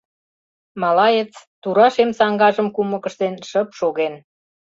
Малаец, тура шем саҥгажым кумык ыштен, шып шоген.